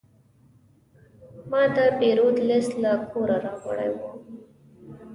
ما د پیرود لیست له کوره راوړی و.